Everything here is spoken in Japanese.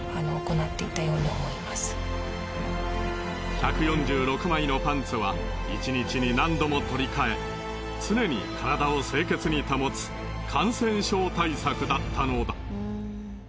１４６枚のパンツは一日に何度も取り替え常に体を清潔に保つ感染症対策だったのだ。